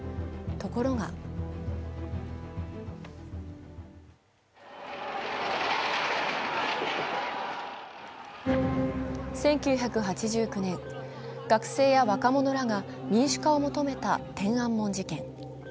ところが１９８９年、学生や若者らが民主化を求めた天安門事件。